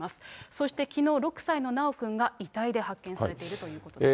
そしてきのう、６歳の修くんが遺体で発見されているということです。